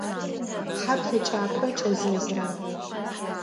Хьа плъэкӏапӏэ кӏэзэзыра?